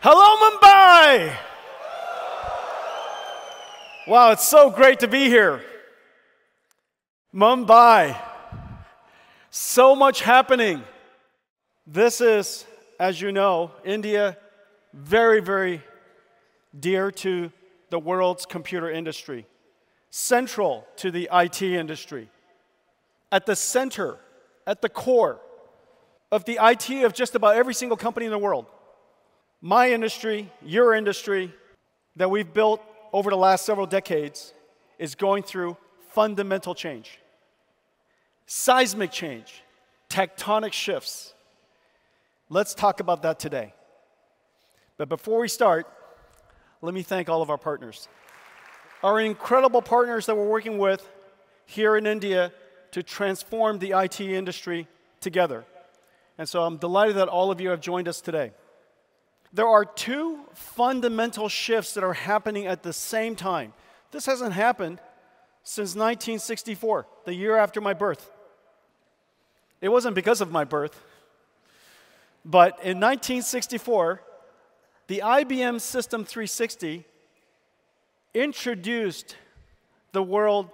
Hello, Mumbai! Wow, it's so great to be here. Mumbai, so much happening. This is, as you know, India, very, very dear to the world's computer industry, central to the IT industry, at the center, at the core of the IT of just about every single company in the world. My industry, your industry, that we've built over the last several decades is going through fundamental change, seismic change, tectonic shifts. Let's talk about that today. But before we start, let me thank all of our partners, our incredible partners that we're working with here in India to transform the IT industry together. And so I'm delighted that all of you have joined us today. There are two fundamental shifts that are happening at the same time. This hasn't happened since 1964, the year after my birth. It wasn't because of my birth. But in 1964, the IBM System/360 introduced the world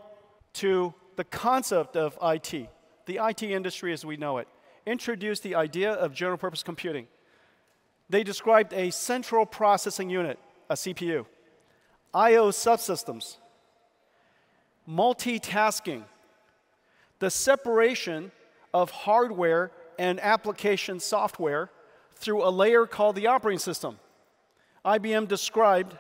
to the concept of IT, the IT industry as we know it, introduced the idea of general-purpose computing. They described a central processing unit, a CPU, I/O subsystems, multitasking, the separation of hardware and application software through a layer called the operating system. IBM described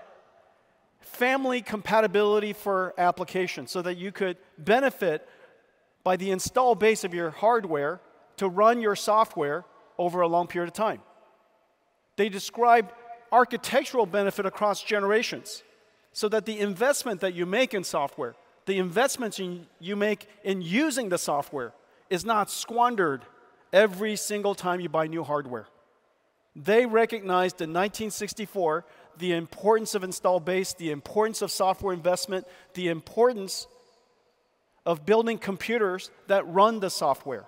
family compatibility for applications so that you could benefit by the install base of your hardware to run your software over a long period of time. They described architectural benefit across generations so that the investment that you make in software, the investments you make in using the software is not squandered every single time you buy new hardware. They recognized in 1964 the importance of install base, the importance of software investment, the importance of building computers that run the software.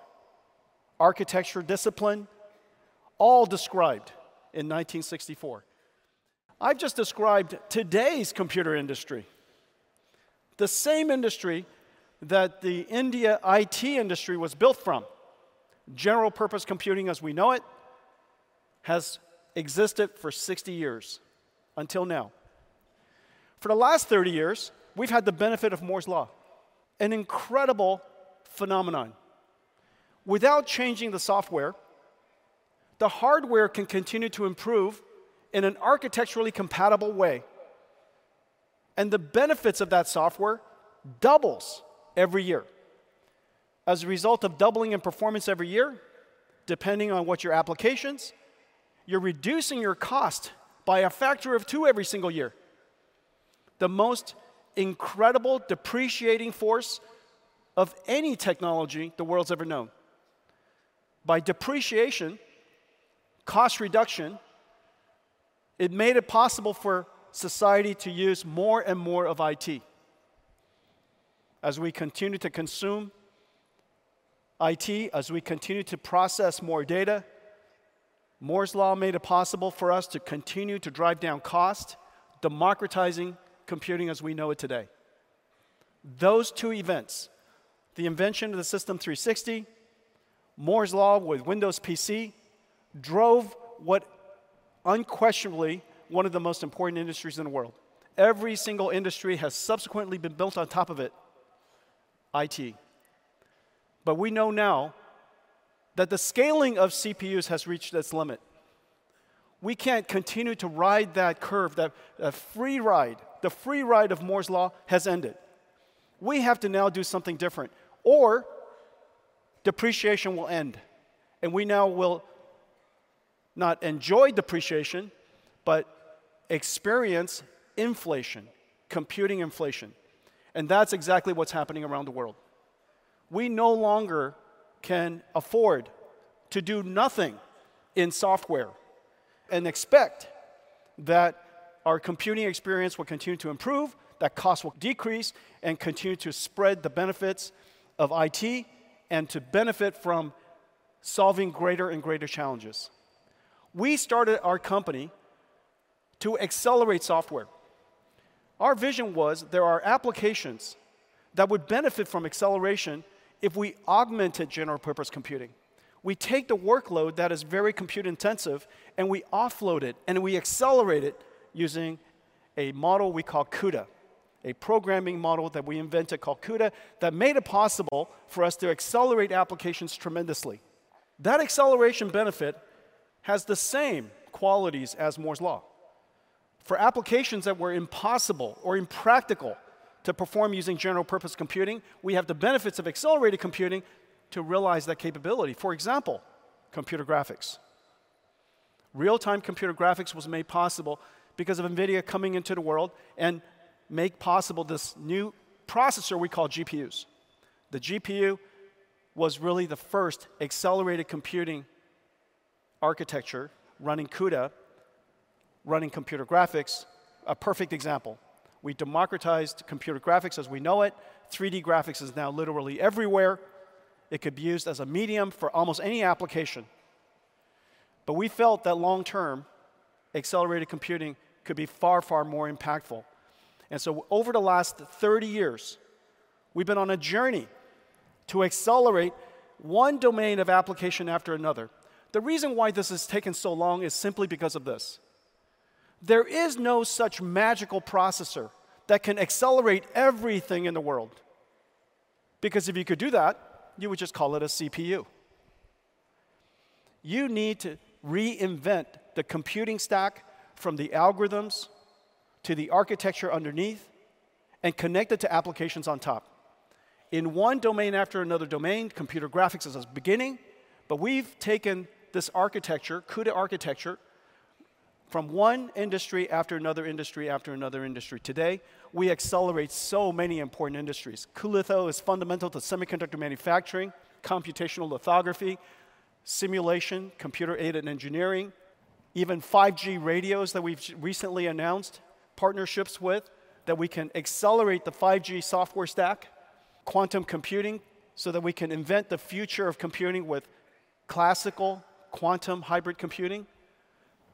Architecture discipline all described in 1964. I've just described today's computer industry, the same industry that the Indian IT industry was built from. General-purpose computing as we know it has existed for 60 years until now. For the last 30 years, we've had the benefit of Moore's Law, an incredible phenomenon. Without changing the software, the hardware can continue to improve in an architecturally compatible way. And the benefits of that software double every year. As a result of doubling in performance every year, depending on what your applications are, you're reducing your cost by a factor of two every single year. The most incredible depreciating force of any technology the world's ever known. By depreciation, cost reduction, it made it possible for society to use more and more of IT. As we continue to consume IT, as we continue to process more data, Moore's Law made it possible for us to continue to drive down cost, democratizing computing as we know it today. Those two events, the invention of the System/360, Moore's Law with Windows PC, drove what unquestionably is one of the most important industries in the world. Every single industry has subsequently been built on top of it, IT. But we know now that the scaling of CPUs has reached its limit. We can't continue to ride that curve, that free ride. The free ride of Moore's Law has ended. We have to now do something different, or depreciation will end, and we now will not enjoy depreciation, but experience inflation, computing inflation, and that's exactly what's happening around the world. We no longer can afford to do nothing in software and expect that our computing experience will continue to improve, that costs will decrease and continue to spread the benefits of IT and to benefit from solving greater and greater challenges. We started our company to accelerate software. Our vision was there are applications that would benefit from acceleration if we augmented general-purpose computing. We take the workload that is very compute-intensive, and we offload it, and we accelerate it using a model we call CUDA, a programming model that we invented called CUDA that made it possible for us to accelerate applications tremendously. That acceleration benefit has the same qualities as Moore's Law. For applications that were impossible or impractical to perform using general-purpose computing, we have the benefits of accelerated computing to realize that capability. For example, computer graphics. Real-time computer graphics was made possible because of NVIDIA coming into the world and making possible this new processor we call GPUs. The GPU was really the first accelerated computing architecture running CUDA, running computer graphics, a perfect example. We democratized computer graphics as we know it. 3D graphics is now literally everywhere. It could be used as a medium for almost any application, but we felt that long-term, accelerated computing could be far, far more impactful, and so over the last 30 years, we've been on a journey to accelerate one domain of application after another. The reason why this has taken so long is simply because of this. There is no such magical processor that can accelerate everything in the world, because if you could do that, you would just call it a CPU. You need to reinvent the computing stack from the algorithms to the architecture underneath and connect it to applications on top. In one domain after another domain, computer graphics is a beginning. But we've taken this architecture, CUDA architecture, from one industry after another industry, after another industry. Today, we accelerate so many important industries. cuLitho is fundamental to semiconductor manufacturing, computational lithography, simulation, computer-aided engineering, even 5G radios that we've recently announced partnerships with that we can accelerate the 5G software stack, quantum computing so that we can invent the future of computing with classical quantum hybrid computing.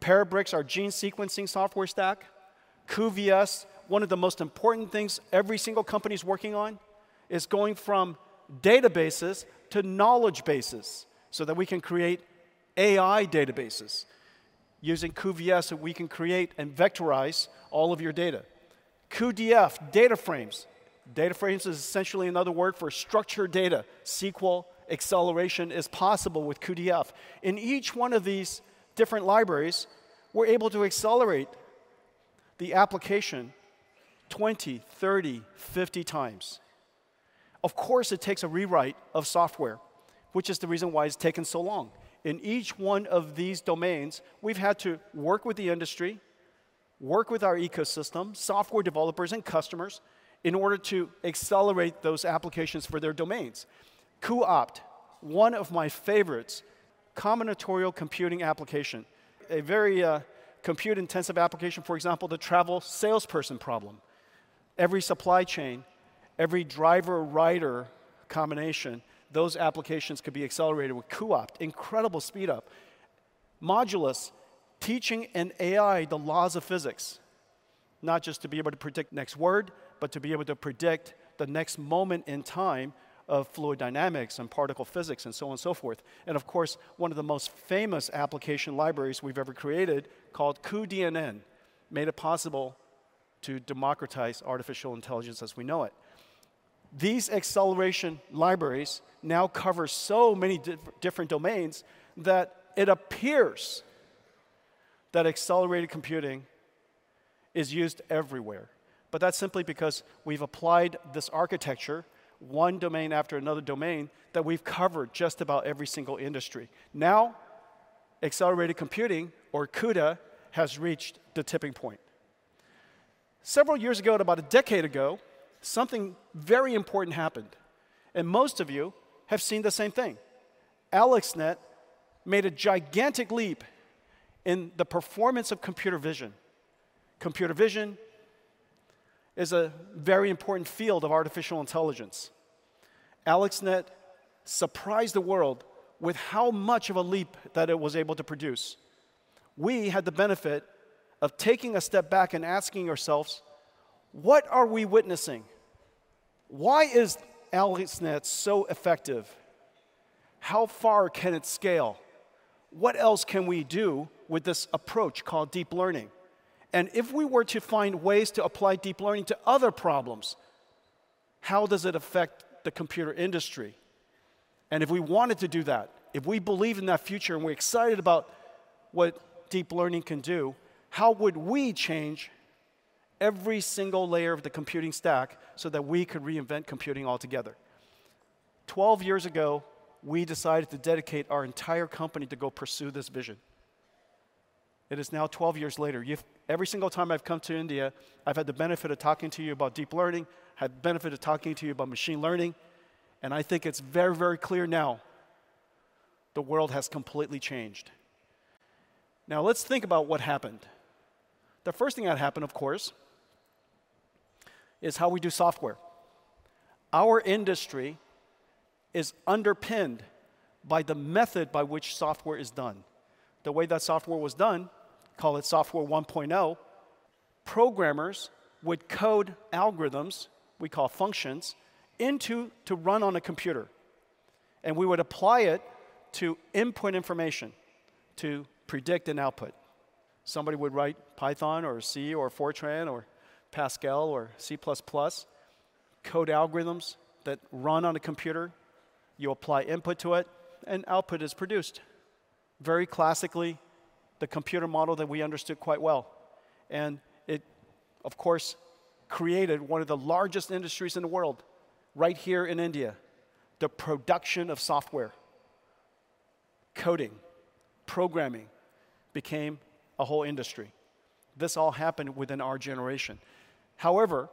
Parabricks, our gene sequencing software stack, cuVS, one of the most important things every single company is working on, is going from databases to knowledge bases so that we can create AI databases. Using cuVS, we can create and vectorize all of your data. cuDF, DataFrames. Data frames is essentially another word for structured data. SQL acceleration is possible with cuDF. In each one of these different libraries, we're able to accelerate the application 20, 30, 50 times. Of course, it takes a rewrite of software, which is the reason why it's taken so long. In each one of these domains, we've had to work with the industry, work with our ecosystem, software developers and customers in order to accelerate those applications for their domains. cuOpt, one of my favorites, combinatorial computing application, a very compute-intensive application, for example, the traveling salesperson problem. Every supply chain, every driver-router combination, those applications could be accelerated with cuOpt, incredible speed up. Modulus, teaching in AI the laws of physics, not just to be able to predict the next word, but to be able to predict the next moment in time of fluid dynamics and particle physics and so on and so forth. Of course, one of the most famous application libraries we've ever created called cuDNN made it possible to democratize artificial intelligence as we know it. These acceleration libraries now cover so many different domains that it appears that accelerated computing is used everywhere. But that's simply because we've applied this architecture, one domain after another domain, that we've covered just about every single industry. Now, accelerated computing or CUDA has reached the tipping point. Several years ago, about a decade ago, something very important happened. Most of you have seen the same thing. AlexNet made a gigantic leap in the performance of computer vision. Computer vision is a very important field of artificial intelligence. AlexNet surprised the world with how much of a leap that it was able to produce. We had the benefit of taking a step back and asking ourselves, what are we witnessing? Why is AlexNet so effective? How far can it scale? What else can we do with this approach called deep learning? And if we were to find ways to apply deep learning to other problems, how does it affect the computer industry? And if we wanted to do that, if we believe in that future and we're excited about what deep learning can do, how would we change every single layer of the computing stack so that we could reinvent computing altogether? Twelve years ago, we decided to dedicate our entire company to go pursue this vision. It is now twelve years later. Every single time I've come to India, I've had the benefit of talking to you about deep learning, had the benefit of talking to you about machine learning. And I think it's very, very clear now the world has completely changed. Now, let's think about what happened. The first thing that happened, of course, is how we do software. Our industry is underpinned by the method by which software is done. The way that software was done, call it software 1.0, programmers would code algorithms we call functions into to run on a computer. And we would apply it to input information to predict an output. Somebody would write Python or C or Fortran or Pascal or C++, code algorithms that run on a computer. You apply input to it, and output is produced. Very classically, the computer model that we understood quite well. And it, of course, created one of the largest industries in the world right here in India, the production of software. Coding, programming became a whole industry. This all happened within our generation. However,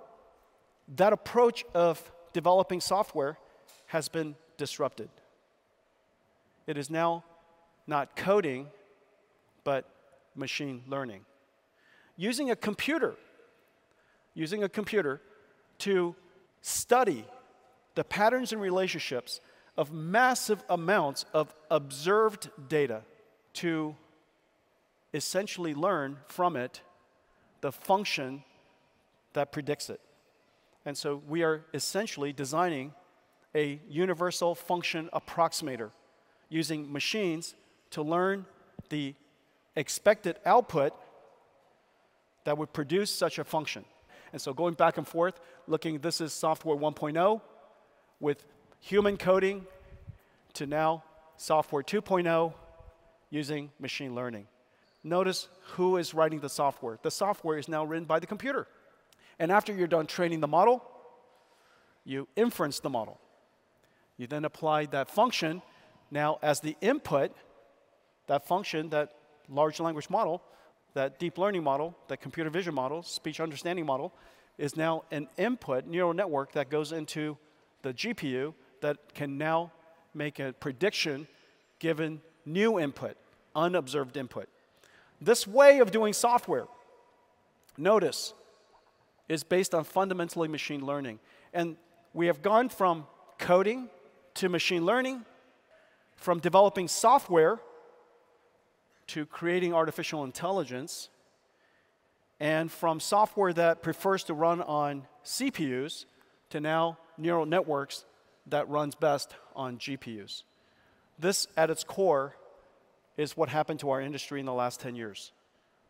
that approach of developing software has been disrupted. It is now not coding, but machine learning. Using a computer to study the patterns and relationships of massive amounts of observed data to essentially learn from it the function that predicts it. And so we are essentially designing a universal function approximator using machines to learn the expected output that would produce such a function. And so going back and forth, looking, this is software 1.0 with human coding to now software 2.0 using machine learning. Notice who is writing the software. The software is now written by the computer. And after you're done training the model, you inference the model. You then apply that function now as the input, that function, that large language model, that deep learning model, that computer vision model, speech understanding model is now an input neural network that goes into the GPU that can now make a prediction given new input, unobserved input. This way of doing software, notice, is based on fundamentally machine learning, and we have gone from coding to machine learning, from developing software to creating artificial intelligence, and from software that prefers to run on CPUs to now neural networks that runs best on GPUs. This, at its core, is what happened to our industry in the last 10 years.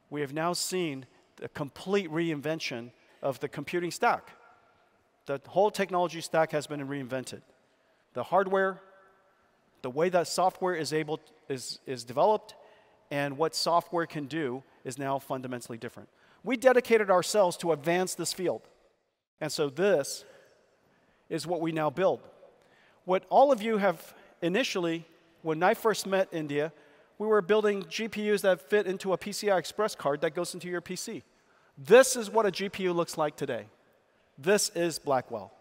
We have now seen the complete reinvention of the computing stack. The whole technology stack has been reinvented. The hardware, the way that software is developed, and what software can do is now fundamentally different. We dedicated ourselves to advance this field, and so this is what we now build. What all of you have initially, when I first met India, we were building GPUs that fit into a PCI Express card that goes into your PC. This is what a GPU looks like today. This is Blackwell.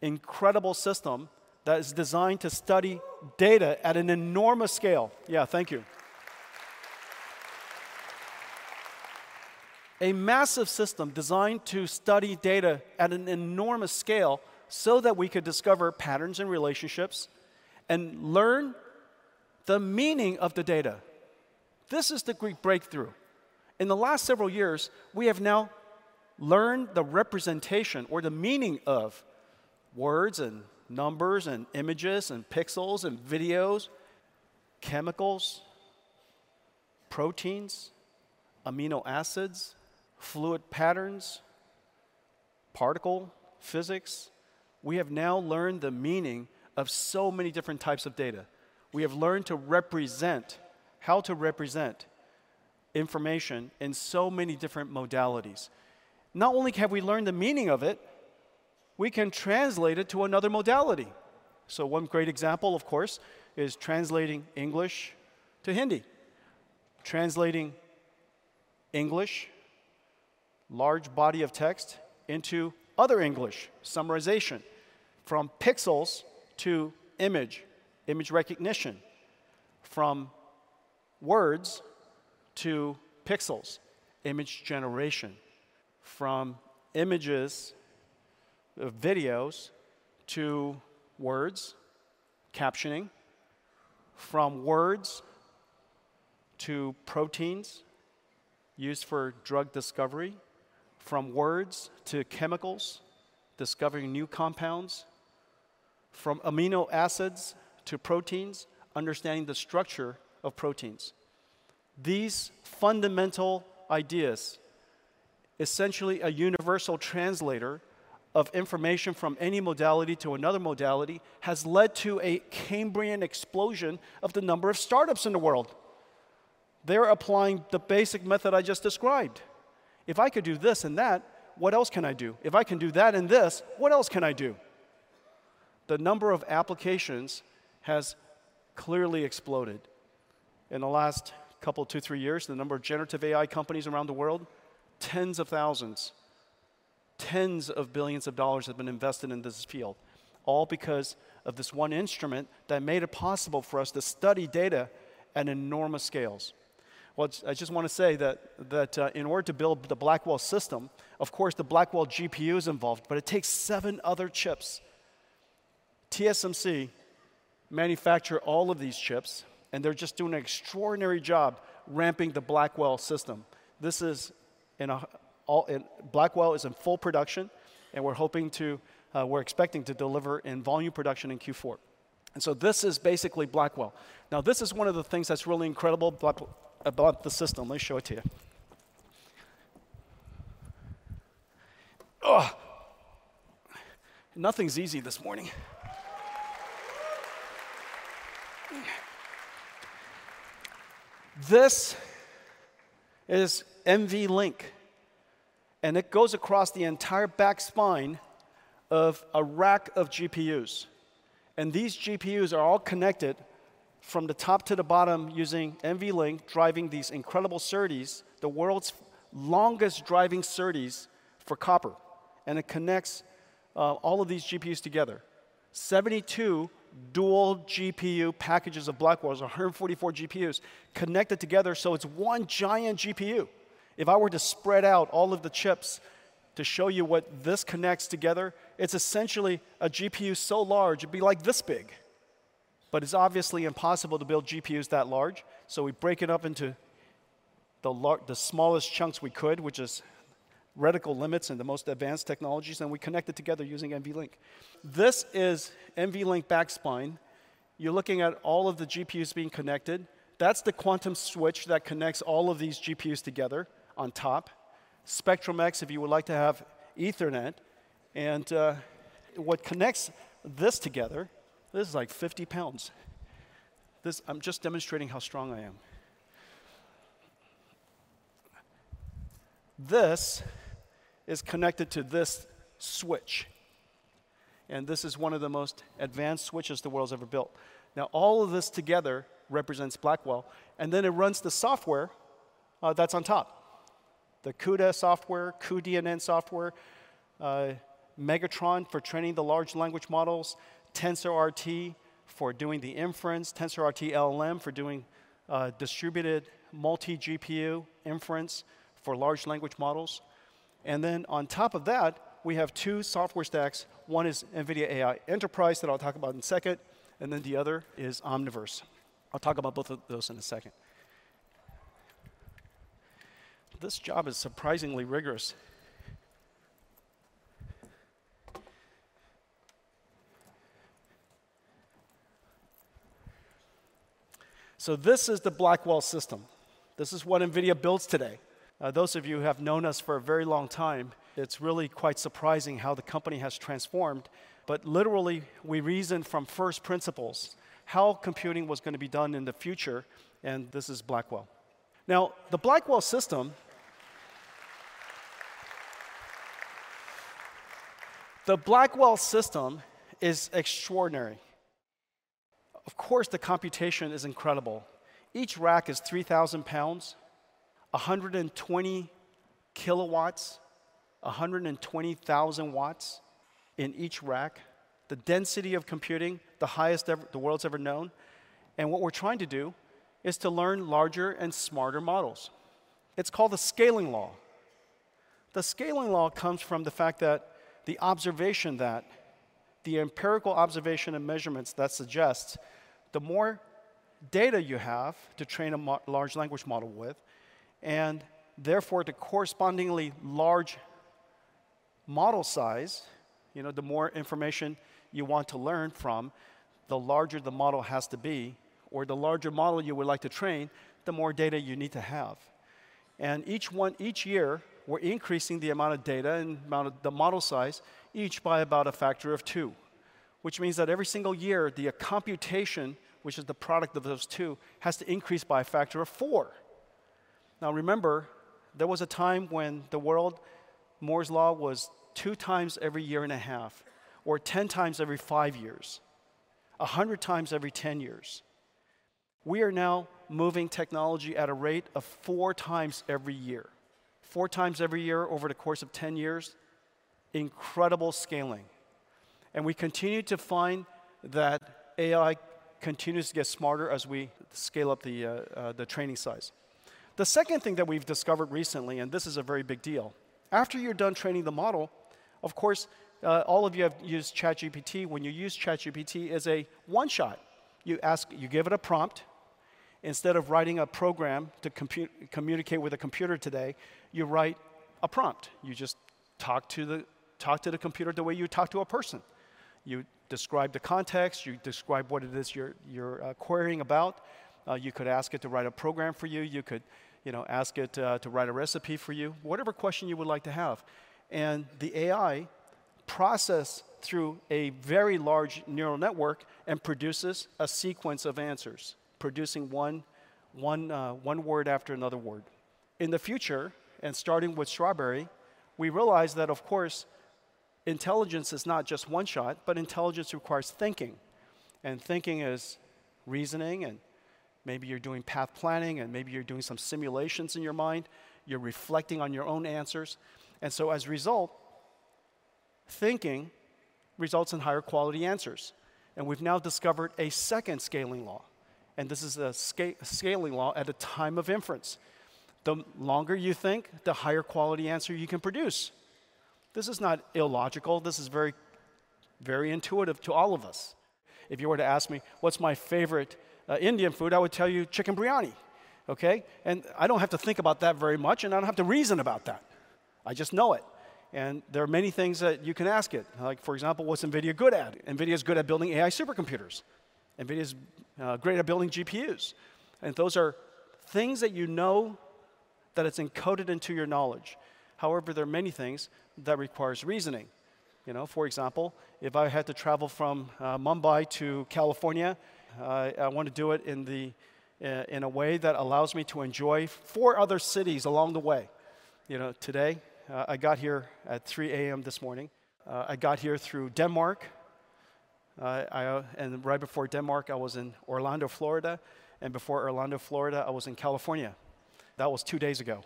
Incredible system that is designed to study data at an enormous scale. Yeah, thank you. A massive system designed to study data at an enormous scale so that we could discover patterns and relationships and learn the meaning of the data. This is the great breakthrough. In the last several years, we have now learned the representation or the meaning of words and numbers and images and pixels and videos, chemicals, proteins, amino acids, fluid patterns, particle physics. We have now learned the meaning of so many different types of data. We have learned how to represent information in so many different modalities. Not only have we learned the meaning of it, we can translate it to another modality. So one great example, of course, is translating English to Hindi. Translating English large body of text into other English, summarization from pixels to image, image recognition from words to pixels, image generation from images, videos to words, captioning from words to proteins used for drug discovery, from words to chemicals, discovering new compounds, from amino acids to proteins, understanding the structure of proteins. These fundamental ideas, essentially a universal translator of information from any modality to another modality, has led to a Cambrian explosion of the number of startups in the world. They're applying the basic method I just described. If I could do this and that, what else can I do? If I can do that and this, what else can I do? The number of applications has clearly exploded. In the last couple of two, three years, the number of generative AI companies around the world, tens of thousands, tens of billions of dollars have been invested in this field, all because of this one instrument that made it possible for us to study data at enormous scales. I just want to say that in order to build the Blackwell system, of course, the Blackwell GPU is involved, but it takes seven other chips. TSMC manufactures all of these chips, and they're just doing an extraordinary job ramping the Blackwell system. This is, and Blackwell is in full production, and we're expecting to deliver in volume production in Q4. So this is basically Blackwell. Now, this is one of the things that's really incredible about the system. Let me show it to you. Nothing's easy this morning. This is NVLink, and it goes across the entire backplane of a rack of GPUs. These GPUs are all connected from the top to the bottom using NVLink, driving these incredible SerDes, the world's longest SerDes for copper. It connects all of these GPUs together. 72 dual GPU packages of Blackwell, 144 GPUs connected together, so it's one giant GPU. If I were to spread out all of the chips to show you what this connects together, it's essentially a GPU so large, it'd be like this big. But it's obviously impossible to build GPUs that large. So we break it up into the smallest chunks we could, which is reticle limits and the most advanced technologies, and we connect it together using NVLink. This is NVLink backbone. You're looking at all of the GPUs being connected. That's the Quantum switch that connects all of these GPUs together on top. Spectrum-X, if you would like to have Ethernet. And what connects this together, this is like 50 pounds. I'm just demonstrating how strong I am. This is connected to this switch. And this is one of the most advanced switches the world's ever built. Now, all of this together represents Blackwell. And then it runs the software that's on top. The CUDA software, cuDNN software, Megatron for training the large language models, TensorRT for doing the inference, TensorRT-LLM for doing distributed multi-GPU inference for large language models. And then on top of that, we have two software stacks. One is NVIDIA AI Enterprise that I'll talk about in a second. And then the other is Omniverse. I'll talk about both of those in a second. This job is surprisingly rigorous. So this is the Blackwell system. This is what NVIDIA builds today. Those of you who have known us for a very long time, it's really quite surprising how the company has transformed. But literally, we reasoned from first principles how computing was going to be done in the future. And this is Blackwell. Now, the Blackwell system, the Blackwell system is extraordinary. Of course, the computation is incredible. Each rack is 3,000 pounds, 120 kilowatts, 120,000 watts in each rack. The density of computing, the highest the world's ever known. And what we're trying to do is to learn larger and smarter models. It's called the scaling law. The scaling law comes from the fact that the observation that the empirical observation and measurements that suggest the more data you have to train a large language model with, and therefore the correspondingly large model size, you know, the more information you want to learn from, the larger the model has to be, or the larger model you would like to train, the more data you need to have. Each year, we're increasing the amount of data and the model size each by about a factor of two, which means that every single year, the computation, which is the product of those two, has to increase by a factor of four. Now, remember, there was a time when the world Moore's Law was two times every year and a half, or 10 times every five years, 100 times every 10 years. We are now moving technology at a rate of four times every year. Four times every year over the course of 10 years, incredible scaling. And we continue to find that AI continues to get smarter as we scale up the training size. The second thing that we've discovered recently, and this is a very big deal, after you're done training the model, of course, all of you have used ChatGPT. When you use ChatGPT, it's a one-shot. You ask, you give it a prompt. Instead of writing a program to communicate with a computer today, you write a prompt. You just talk to the computer the way you talk to a person. You describe the context, you describe what it is you're querying about. You could ask it to write a program for you. You could ask it to write a recipe for you, whatever question you would like to have. And the AI processes through a very large neural network and produces a sequence of answers, producing one word after another word. In the future, and starting with Strawberry, we realized that, of course, intelligence is not just one-shot, but intelligence requires thinking. And thinking is reasoning, and maybe you're doing path planning, and maybe you're doing some simulations in your mind. You're reflecting on your own answers. And so, as a result, thinking results in higher quality answers. And we've now discovered a second scaling law. And this is a scaling law at a time of inference. The longer you think, the higher quality answer you can produce. This is not illogical. This is very intuitive to all of us. If you were to ask me, what's my favorite Indian food, I would tell you chicken biryani. Okay? And I don't have to think about that very much, and I don't have to reason about that. I just know it. And there are many things that you can ask it. Like, for example, what's NVIDIA good at? NVIDIA is good at building AI supercomputers. NVIDIA is great at building GPUs. And those are things that you know that it's encoded into your knowledge. However, there are many things that require reasoning. For example, if I had to travel from Mumbai to California, I want to do it in a way that allows me to enjoy four other cities along the way. Today, I got here at 3:00 A.M. this morning. I got here through Denmark. And right before Denmark, I was in Orlando, Florida. Before Orlando, Florida, I was in California. That was two days ago.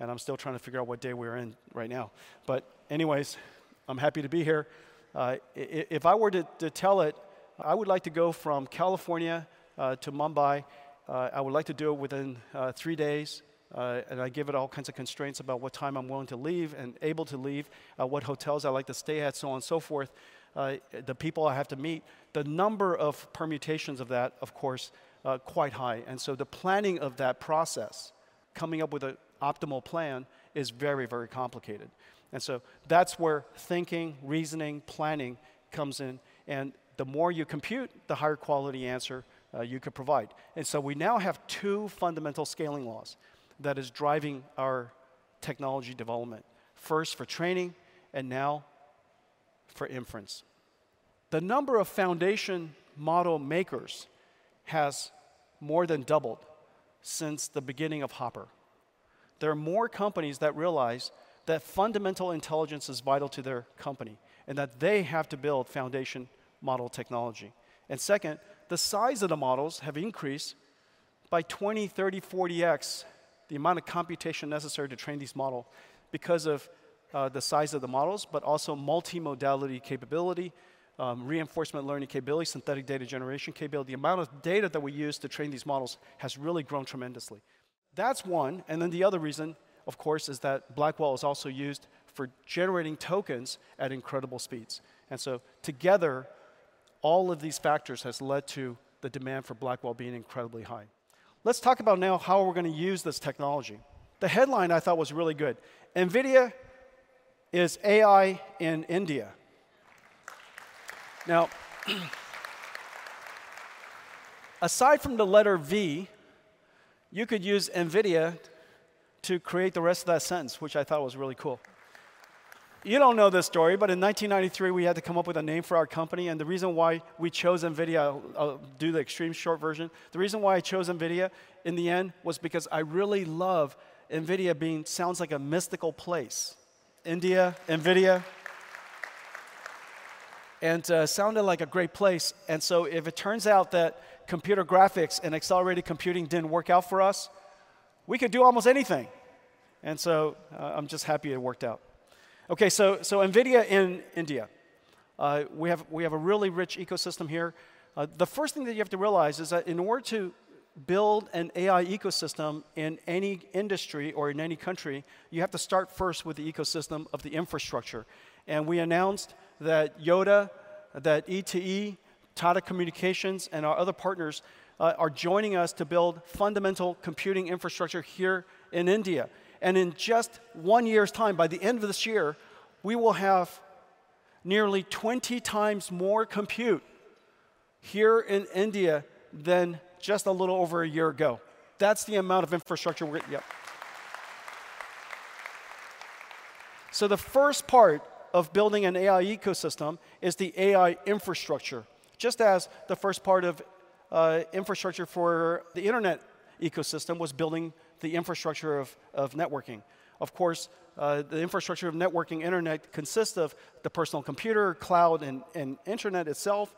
I'm still trying to figure out what day we're in right now. Anyways, I'm happy to be here. If I were to tell it, I would like to go from California to Mumbai. I would like to do it within three days. I give it all kinds of constraints about what time I'm willing to leave and able to leave, what hotels I like to stay at, so on and so forth, the people I have to meet. The number of permutations of that, of course, is quite high. The planning of that process, coming up with an optimal plan, is very, very complicated. That's where thinking, reasoning, planning comes in. The more you compute, the higher quality answer you can provide. And so we now have two fundamental scaling laws that are driving our technology development, first for training and now for inference. The number of foundation model makers has more than doubled since the beginning of Hopper. There are more companies that realize that fundamental intelligence is vital to their company and that they have to build foundation model technology. And second, the size of the models has increased by 20, 30, 40X the amount of computation necessary to train these models because of the size of the models, but also multi-modality capability, reinforcement learning capability, synthetic data generation capability. The amount of data that we use to train these models has really grown tremendously. That's one. And then the other reason, of course, is that Blackwell is also used for generating tokens at incredible speeds. And so together, all of these factors have led to the demand for Blackwell being incredibly high. Let's talk about now how we're going to use this technology. The headline I thought was really good. NVIDIA is AI in India. Now, aside from the letter V, you could use NVIDIA to create the rest of that sentence, which I thought was really cool. You don't know this story, but in 1993, we had to come up with a name for our company. And the reason why we chose NVIDIA, I'll do the extreme short version. The reason why I chose NVIDIA in the end was because I really love NVIDIA being sounds like a mystical place. Invidia, NVIDIA. And it sounded like a great place. And so if it turns out that computer graphics and accelerated computing didn't work out for us, we could do almost anything. And so I'm just happy it worked out. Okay, so NVIDIA in India. We have a really rich ecosystem here. The first thing that you have to realize is that in order to build an AI ecosystem in any industry or in any country, you have to start first with the ecosystem of the infrastructure. And we announced that Yotta, that E2E, Tata Communications, and our other partners are joining us to build fundamental computing infrastructure here in India. And in just one year's time, by the end of this year, we will have nearly 20 times more compute here in India than just a little over a year ago. That's the amount of infrastructure we're getting yet. So the first part of building an AI ecosystem is the AI infrastructure, just as the first part of infrastructure for the internet ecosystem was building the infrastructure of networking. Of course, the infrastructure of networking internet consists of the personal computer, cloud, and internet itself.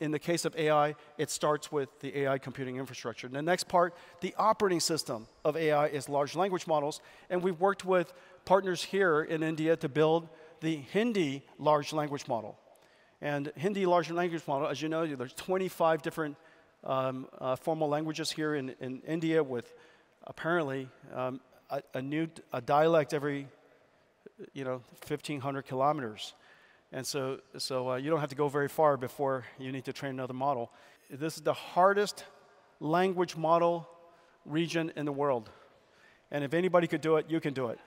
In the case of AI, it starts with the AI computing infrastructure. The next part, the operating system of AI, is large language models, and we've worked with partners here in India to build the Hindi large language model. Hindi large language model, as you know, there's 25 different formal languages here in India with apparently a new dialect every 1,500 kilometers, so you don't have to go very far before you need to train another model. This is the hardest language model region in the world, and if anybody could do it, you can do it.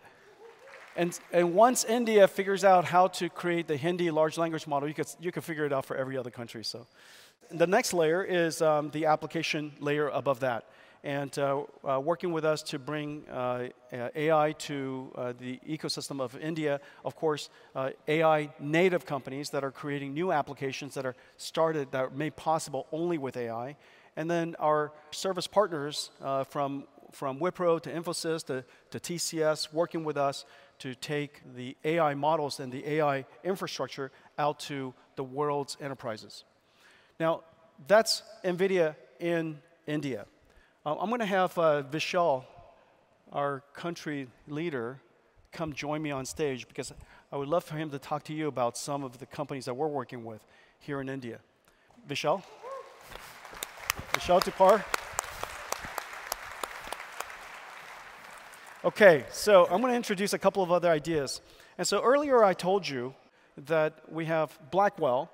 Once India figures out how to create the Hindi large language model, you can figure it out for every other country, so the next layer is the application layer above that. And working with us to bring AI to the ecosystem of India, of course, AI native companies that are creating new applications that are started that are made possible only with AI. And then our service partners from Wipro to Infosys to TCS working with us to take the AI models and the AI infrastructure out to the world's enterprises. Now, that's NVIDIA in India. I'm going to have Vishal, our country leader, come join me on stage because I would love for him to talk to you about some of the companies that we're working with here in India. Vishal. Vishal Dhupar. Okay, so I'm going to introduce a couple of other ideas. And so earlier, I told you that we have Blackwell.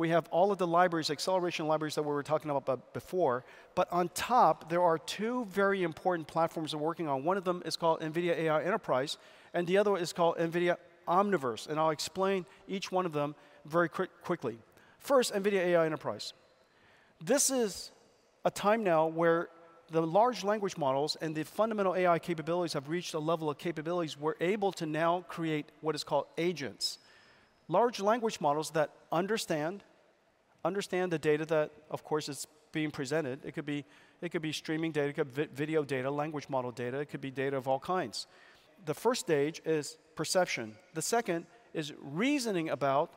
We have all of the libraries, acceleration libraries that we were talking about before. But on top, there are two very important platforms we're working on. One of them is called NVIDIA AI Enterprise, and the other one is called NVIDIA Omniverse, and I'll explain each one of them very quickly. First, NVIDIA AI Enterprise. This is a time now where the large language models and the fundamental AI capabilities have reached a level of capabilities we're able to now create what is called agents, large language models that understand the data that, of course, is being presented. It could be streaming data, it could be video data, language model data. It could be data of all kinds. The first stage is perception. The second is reasoning about,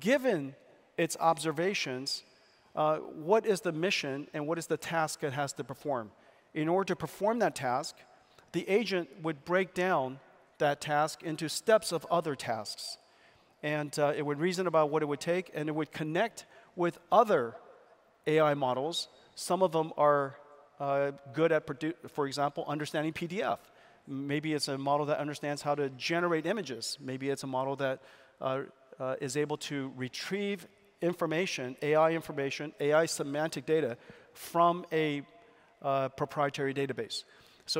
given its observations, what is the mission and what is the task it has to perform. In order to perform that task, the agent would break down that task into steps of other tasks. It would reason about what it would take, and it would connect with other AI models. Some of them are good at, for example, understanding PDF. Maybe it's a model that understands how to generate images. Maybe it's a model that is able to retrieve information, AI information, AI semantic data from a proprietary database.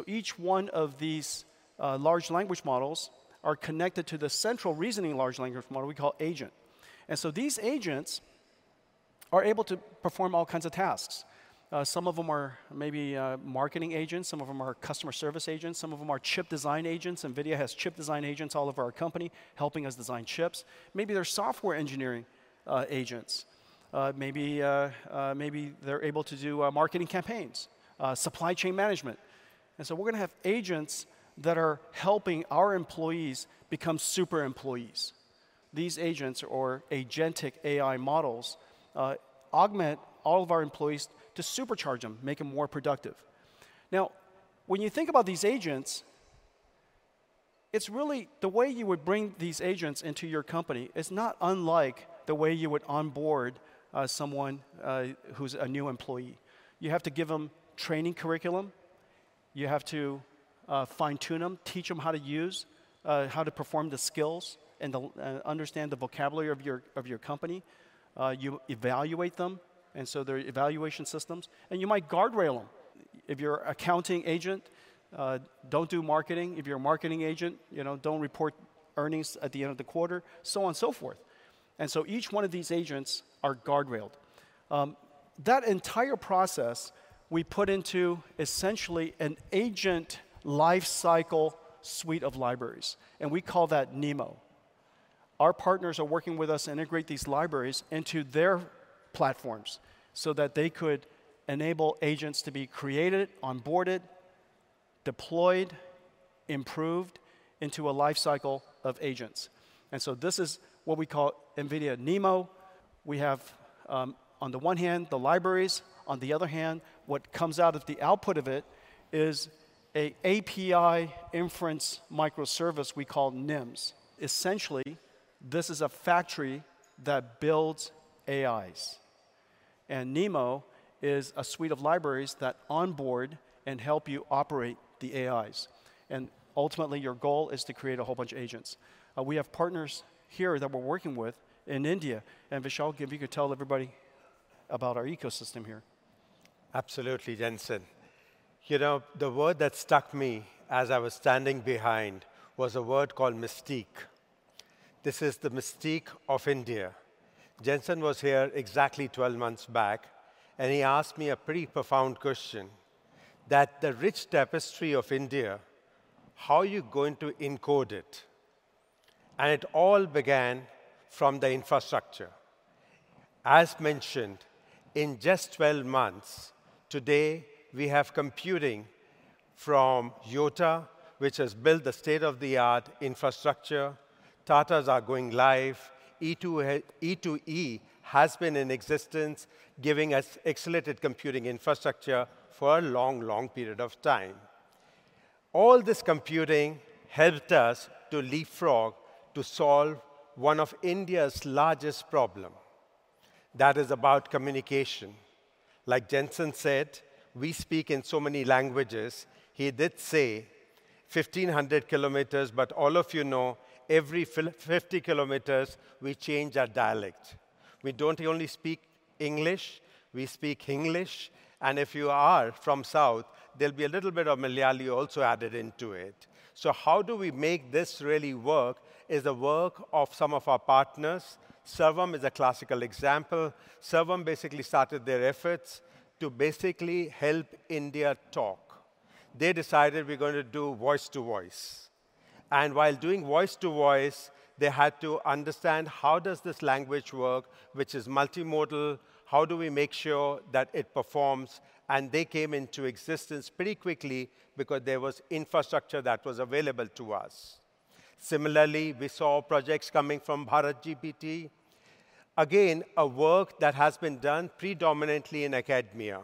Each one of these large language models are connected to the central reasoning large language model we call agent. These agents are able to perform all kinds of tasks. Some of them are maybe marketing agents. Some of them are customer service agents. Some of them are chip design agents. NVIDIA has chip design agents all over our company, helping us design chips. Maybe they're software engineering agents. Maybe they're able to do marketing campaigns, supply chain management. And so we're going to have agents that are helping our employees become super employees. These agents, or agentic AI models, augment all of our employees to supercharge them, make them more productive. Now, when you think about these agents, it's really the way you would bring these agents into your company is not unlike the way you would onboard someone who's a new employee. You have to give them training curriculum. You have to fine-tune them, teach them how to use, how to perform the skills, and understand the vocabulary of your company. You evaluate them. And so there are evaluation systems. And you might guardrail them. If you're an accounting agent, don't do marketing. If you're a marketing agent, don't report earnings at the end of the quarter, so on and so forth. And so each one of these agents is guardrailed. That entire process, we put into essentially an agent lifecycle suite of libraries, and we call that NeMo. Our partners are working with us to integrate these libraries into their platforms so that they could enable agents to be created, onboarded, deployed, improved into a lifecycle of agents, and so this is what we call NVIDIA NeMo. We have, on the one hand, the libraries. On the other hand, what comes out of the output of it is an API inference microservice we call NIMs. Essentially, this is a factory that builds AIs, and NeMo is a suite of libraries that onboard and help you operate the AIs, and ultimately, your goal is to create a whole bunch of agents. We have partners here that we're working with in India, and Vishal, if you could tell everybody about our ecosystem here. Absolutely, Jensen. You know, the word that stuck me as I was standing behind was a word called mystique. This is the mystique of India. Jensen was here exactly 12 months back, and he asked me a pretty profound question: that the rich tapestry of India, how are you going to encode it? And it all began from the infrastructure. As mentioned, in just 12 months, today, we have computing from Yotta, which has built the state-of-the-art infrastructure. Tatas are going live. E2E has been in existence, giving us excellent computing infrastructure for a long, long period of time. All this computing helped us to leapfrog to solve one of India's largest problems. That is about communication. Like Jensen said, we speak in so many languages. He did say 1,500 kilometers, but all of you know, every 50 kilometers, we change our dialect. We don't only speak English. We speak Hinglish. And if you are from the South, there'll be a little bit of Malayalam also added into it. So how do we make this really work is the work of some of our partners. Sarvam is a classical example. Sarvam basically started their efforts to basically help India talk. They decided we're going to do voice-to-voice. And while doing voice-to-voice, they had to understand how does this language work, which is multimodal. How do we make sure that it performs? And they came into existence pretty quickly because there was infrastructure that was available to us. Similarly, we saw projects coming from BharatGPT. Again, a work that has been done predominantly in academia.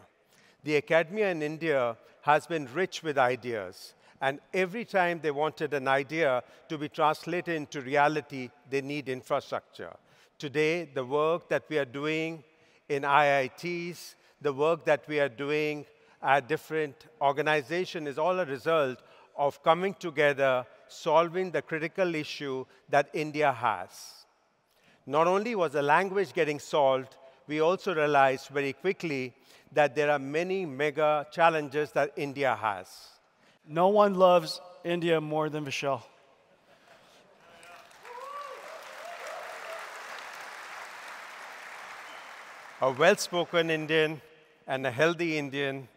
The academia in India has been rich with ideas. And every time they wanted an idea to be translated into reality, they need infrastructure. Today, the work that we are doing in IITs, the work that we are doing at different organizations is all a result of coming together, solving the critical issue that India has. Not only was the language getting solved, we also realized very quickly that there are many mega challenges that India has. No one loves India more than Vishal. A well-spoken Indian and a healthy Indian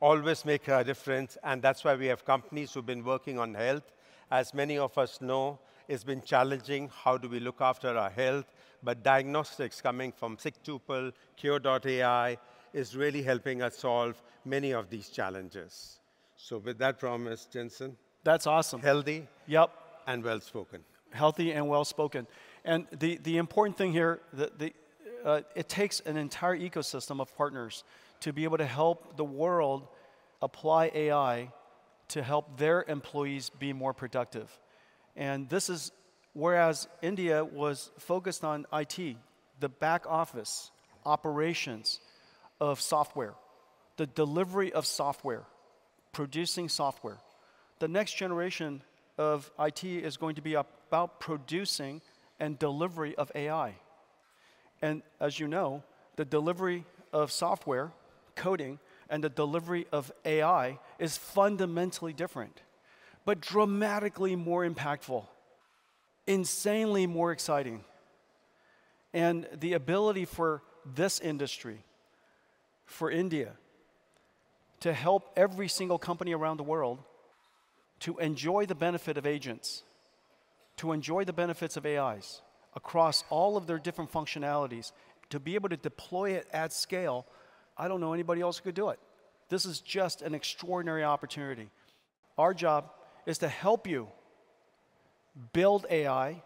always make a difference. And that's why we have companies who've been working on health. As many of us know, it's been challenging how do we look after our health. But diagnostics coming from SigTuple, Qure.ai is really helping us solve many of these challenges. So with that promise, Jensen. That's awesome. Healthy. Yep. And well-spoken. Healthy and well-spoken. And the important thing here, it takes an entire ecosystem of partners to be able to help the world apply AI to help their employees be more productive. And this is whereas India was focused on IT, the back office, operations of software, the delivery of software, producing software. The next generation of IT is going to be about producing and delivery of AI. And as you know, the delivery of software, coding, and the delivery of AI is fundamentally different, but dramatically more impactful, insanely more exciting. And the ability for this industry, for India, to help every single company around the world to enjoy the benefit of agents, to enjoy the benefits of AIs across all of their different functionalities, to be able to deploy it at scale. I don't know anybody else who could do it. This is just an extraordinary opportunity. Our job is to help you build AI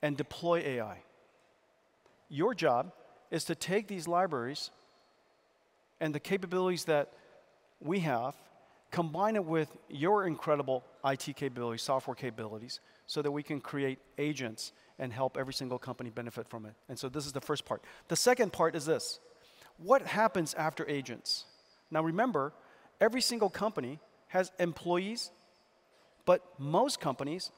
and deploy AI. Your job is to take these libraries and the capabilities that we have, combine it with your incredible IT capabilities, software capabilities, so that we can create agents and help every single company benefit from it, and so this is the first part. The second part is this: what happens after agents? Now, remember, every single company has employees, but most companies,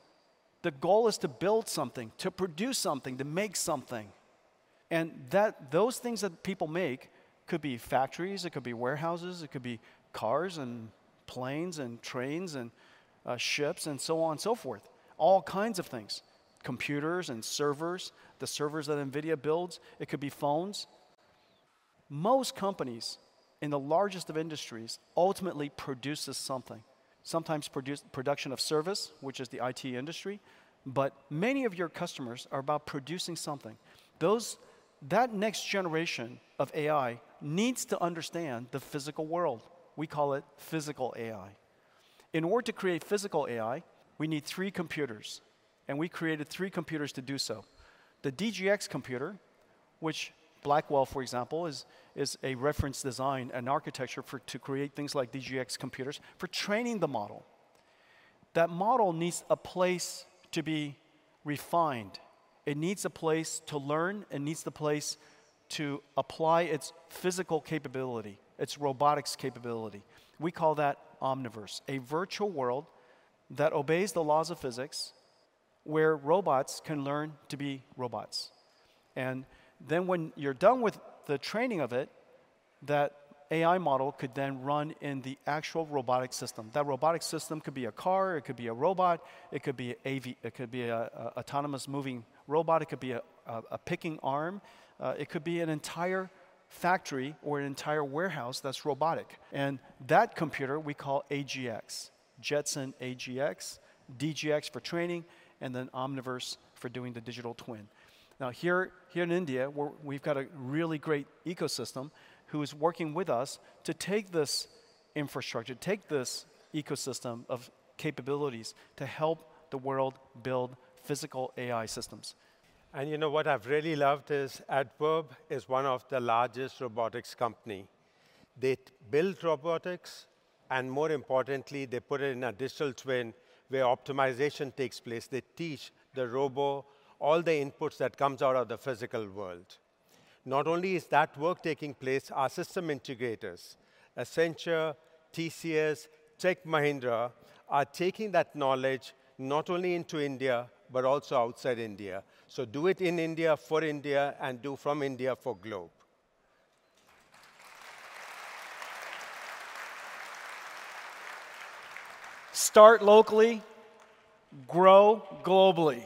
the goal is to build something, to produce something, to make something, and those things that people make could be factories, it could be warehouses, it could be cars and planes and trains and ships and so on and so forth, all kinds of things, computers and servers, the servers that NVIDIA builds, it could be phones. Most companies in the largest of industries ultimately produce something, sometimes production of service, which is the IT industry. But many of your customers are about producing something. That next generation of AI needs to understand the physical world. We call it physical AI. In order to create physical AI, we need three computers, and we created three computers to do so. The DGX computer, which Blackwell, for example, is a reference design and architecture to create things like DGX computers for training the model. That model needs a place to be refined. It needs a place to learn. It needs a place to apply its physical capability, its robotics capability. We call that Omniverse, a virtual world that obeys the laws of physics where robots can learn to be robots, and then when you're done with the training of it, that AI model could then run in the actual robotic system. That robotic system could be a car, it could be a robot, it could be an autonomous moving robot, it could be a picking arm, it could be an entire factory or an entire warehouse that's robotic. That computer we call AGX, Jetson AGX, DGX for training, and then Omniverse for doing the digital twin. Now, here in India, we've got a really great ecosystem who is working with us to take this infrastructure, take this ecosystem of capabilities to help the world build physical AI systems. You know what I've really loved is that Addverb is one of the largest robotics companies. They build robotics, and more importantly, they put it in a digital twin where optimization takes place. They teach the robot all the inputs that come out of the physical world. Not only is that work taking place, our system integrators, Accenture, TCS, Tech Mahindra, are taking that knowledge not only into India, but also outside India. Do it in India for India and do from India for the globe. Start locally, grow globally.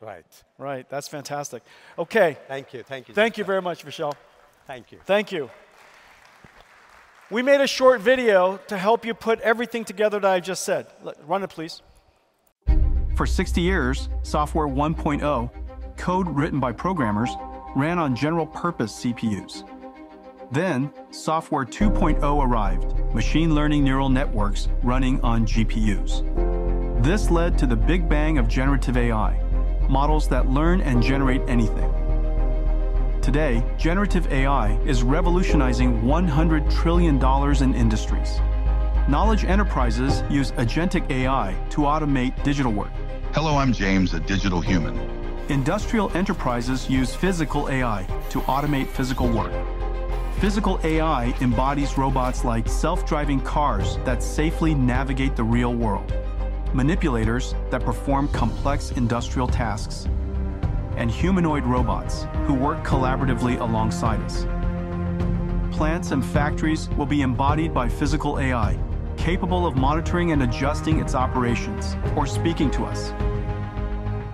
Right. Right. That's fantastic. Okay. Thank you. Thank you. Thank you very much, Vishal. Thank you. Thank you. We made a short video to help you put everything together that I just said. Run it, please. For 60 years, Software 1.0, code written by programmers, ran on general-purpose CPUs. Then Software 2.0 arrived, machine learning neural networks running on GPUs. This led to the Big Bang of generative AI, models that learn and generate anything. Today, generative AI is revolutionizing $100 trillion in industries. Knowledge enterprises use agentic AI to automate digital work. Hello, I'm James, a digital human. Industrial enterprises use physical AI to automate physical work. Physical AI embodies robots like self-driving cars that safely navigate the real world, manipulators that perform complex industrial tasks, and humanoid robots who work collaboratively alongside us. Plants and factories will be embodied by physical AI, capable of monitoring and adjusting its operations or speaking to us.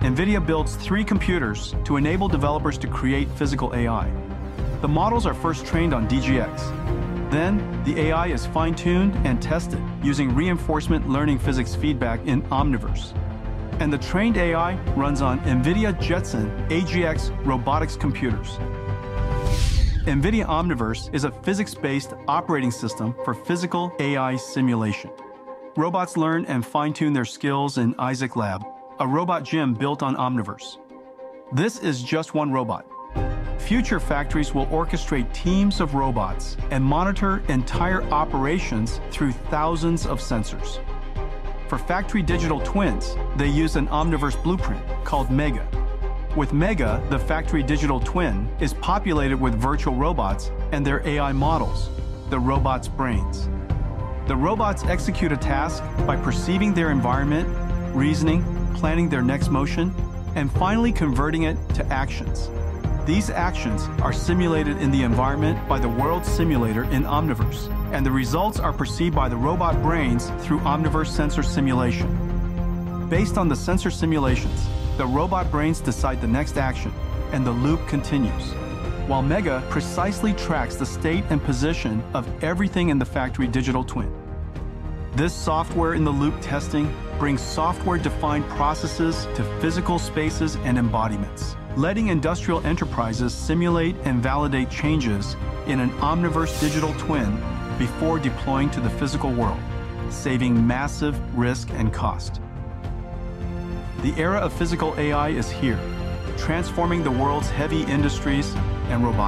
NVIDIA builds three computers to enable developers to create physical AI. The models are first trained on DGX. Then the AI is fine-tuned and tested using reinforcement learning physics feedback in Omniverse, and the trained AI runs on NVIDIA Jetson AGX robotics computers. NVIDIA Omniverse is a physics-based operating system for physical AI simulation. Robots learn and fine-tune their skills in Isaac Lab, a robot gym built on Omniverse. This is just one robot. Future factories will orchestrate teams of robots and monitor entire operations through thousands of sensors. For factory digital twins, they use an Omniverse blueprint called Mega. With Mega, the factory digital twin is populated with virtual robots and their AI models, the robots' brains. The robots execute a task by perceiving their environment, reasoning, planning their next motion, and finally converting it to actions. These actions are simulated in the environment by the world simulator in Omniverse, and the results are perceived by the robot brains through Omniverse sensor simulation. Based on the sensor simulations, the robot brains decide the next action, and the loop continues, while Mega precisely tracks the state and position of everything in the factory digital twin. This software-in-the-loop testing brings software-defined processes to physical spaces and embodiments, letting industrial enterprises simulate and validate changes in an Omniverse digital twin before deploying to the physical world, saving massive risk and cost. The era of physical AI is here, transforming the world's heavy industries and robots.